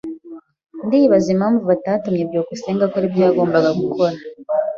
Ndibaza impamvu batatumye byukusenge akora ibyo yagombaga gukora.